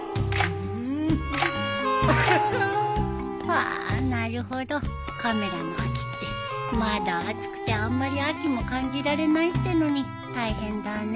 ああなるほどカメラの秋ってまだ暑くてあんまり秋も感じられないってのに大変だね。